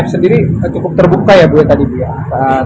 sendiri cukup terbuka ya bu ya tadi bu ya